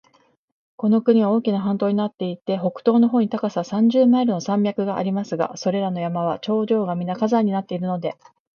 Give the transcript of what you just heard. この国は大きな半島になっていて、北東の方に高さ三十マイルの山脈がありますが、それらの山は頂上がみな火山になっているので、